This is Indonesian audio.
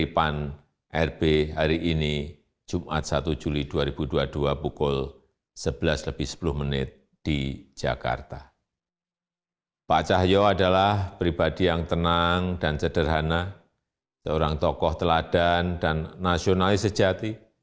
pak cahyo adalah pribadi yang tenang dan sederhana seorang tokoh teladan dan nasionalis sejati